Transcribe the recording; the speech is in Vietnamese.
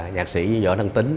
nhạc sĩ võ đăng tín